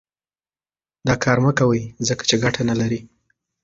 دا کار مه کوئ ځکه چې ګټه نه لري.